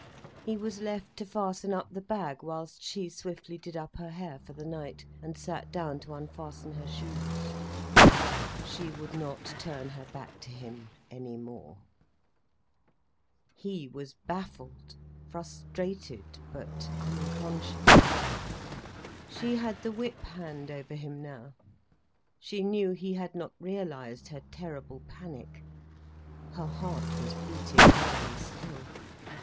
He was left to fasten up the bag, whilst she swiftly did up her hair for the night, and sat down to unfasten her shoes. She would not turn her back to him any more. He was baffled, frustrated, but unconscious. She had the whip hand over him now. She knew he had not realised her terrible panic. Her heart was beating heavily still.